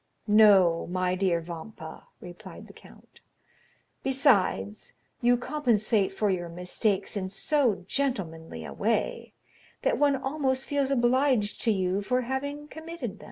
"No, my dear Vampa," replied the count; "besides, you compensate for your mistakes in so gentlemanly a way, that one almost feels obliged to you for having committed them."